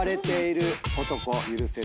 許せる？